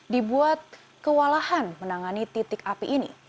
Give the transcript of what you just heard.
dibuat kewalahan menangani titik api ini